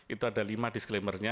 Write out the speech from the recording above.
itu ada lima disclaimer nya